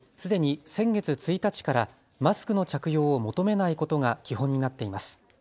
５類への移行を前にすでに先月１日からマスクの着用を求めないことが基本になっています。